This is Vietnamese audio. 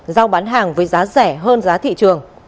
giao bán hàng với giá rẻ hơn giá thị trường